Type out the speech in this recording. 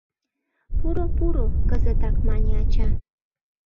— Пуро, пуро кызытак, — мане ача.